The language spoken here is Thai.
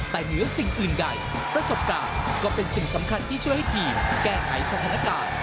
แต่เหนือสิ่งอื่นใดประสบการณ์ก็เป็นสิ่งสำคัญที่ช่วยให้ทีมแก้ไขสถานการณ์